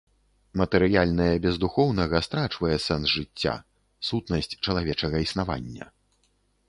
Матэрыяльнае без духоўнага страчвае сэнс жыцця, сутнасць чалавечага існавання.